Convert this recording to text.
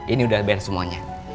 ini udah bayar semuanya